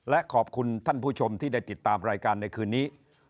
และขอบคุณท่านผู้ชมที่ได้ติดตามรายการในคืนนี้